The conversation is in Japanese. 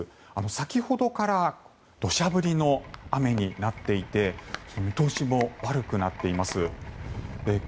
先ほどから土砂降りの雨になっていて見通しも悪くなっています。